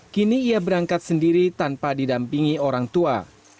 kini ia berangkat sendiri tanpa didampingi orang tua